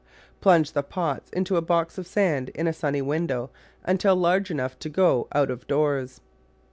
Plunge the pots into a box of sand in a sunny window until large enough to go out of doors.